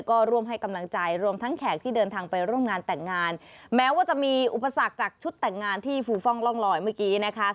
ก็ร่วมให้กำลังใจรวมทั้งแขกที่เดินทางไปร่วมงานแต่งงานแม้ว่าจะมีอุปสรรคจากชุดแต่งงานที่ฟูฟ่องร่องลอยเมื่อกี้นะคะ